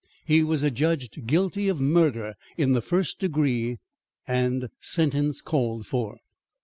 He was adjudged guilty of murder in the first degree, and sentence called for.